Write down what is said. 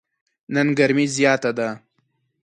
نن ګرمي زیاته ده.